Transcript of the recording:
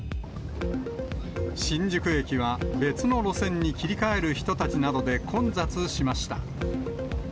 新宿駅は別の路線に切り替える人たちなどで混雑しました。